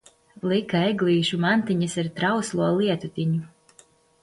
Lika eglīšu mantiņas ar trauslo lietutiņu.